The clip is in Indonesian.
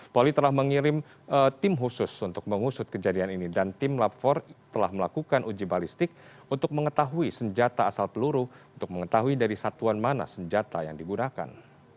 polri telah mengirim tim khusus untuk mengusut kejadian ini dan tim lab empat telah melakukan uji balistik untuk mengetahui senjata asal peluru untuk mengetahui dari satuan mana senjata yang digunakan